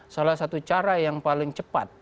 salah satu cara yang paling cepat